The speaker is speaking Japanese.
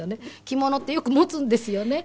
着物ってよくもつんですよね。